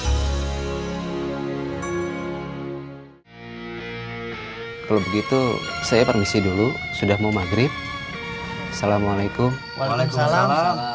hai kalau begitu saya permisi dulu sudah mau maghrib assalamualaikum waalaikumsalam